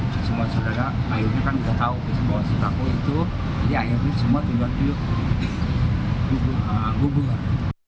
jadi semua saudara ayahnya kan sudah tahu bahwa si taku itu jadi ayahnya semua tiba tiba gugur